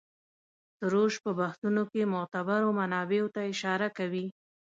سروش په بحثونو کې معتبرو منابعو ته اشاره کوي.